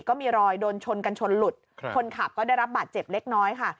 ก็มีรอยโดนชนกันชนหลุดคนขับก็ได้รับบาดเจ็บเล็กน้อยค่ะ